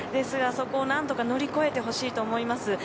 そこを何とか乗り越えてほしいなと思います。